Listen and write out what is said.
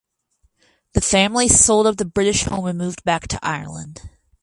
The family sold up the British home and moved back to Ireland.